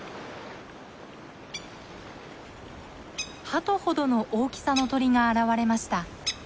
ハトほどの大きさの鳥が現れました。